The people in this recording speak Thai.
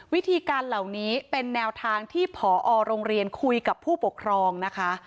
วิธีการเหล่านี้เป็นแนวทางที่ผอโรงเรียนคุยกับผู้ปกครองนะคะ